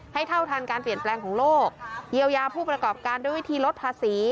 เท่าทันการเปลี่ยนแปลงของโลกเยียวยาผู้ประกอบการด้วยวิธีลดภาษี